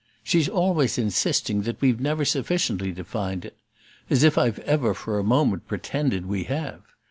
She's always insisting that we've never sufficiently defined it as if I've ever for a moment pretended we have!